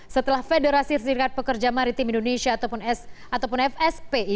setelah federasi serikat pekerja maritim indonesia ataupun fspi